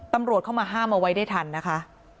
ตำรวจเข้ามาห้ามเอาไว้ได้ทันนะคะ